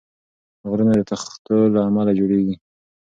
غرونه د تختو له امله جوړېږي.